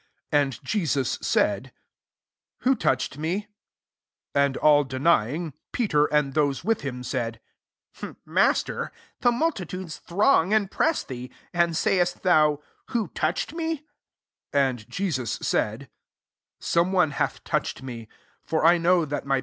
45 And Jesus said, <^ Who touched me ?" And all denying, Peier, and those with him, Md, " Master, the multitudes thraag and press thee ; [arid sajpest thou. Who touched mej ?" 46 And [Jeaua^ said, " Some one hath touched me; for I kmv that my.